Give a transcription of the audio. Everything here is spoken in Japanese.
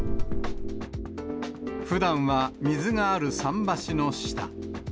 ふだんは水がある桟橋の下。